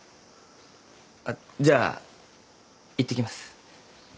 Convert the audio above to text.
あっじゃあいってきます。